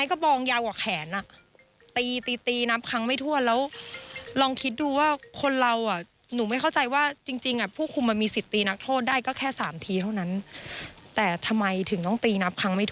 ฟังเสียงภรรยาผู้ต้องขังกันหน่อยค่ะ